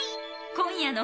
今夜の。